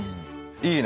いいね！